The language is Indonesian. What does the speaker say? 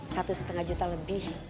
satu setengah juta lebih